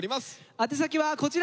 宛先はこちら。